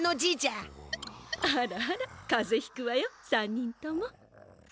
あらあらかぜひくわよ３人とも。